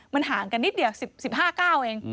มันห่างกันนิดเดียว๑๕๙เอง